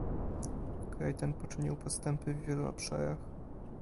Kraj ten poczynił postępy w wielu obszarach